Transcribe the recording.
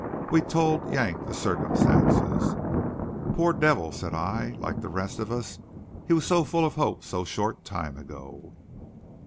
We told Yank the circumstances. "Poor devil," said I. "Like the rest of us, he was so full of hope so short time ago."